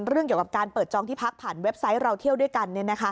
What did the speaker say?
เรื่องเกี่ยวกับการเปิดจองที่พักผ่านเว็บไซต์เราเที่ยวด้วยกัน